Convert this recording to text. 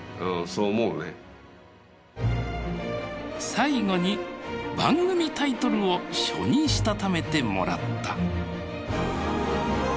最後に番組タイトルを書にしたためてもらった。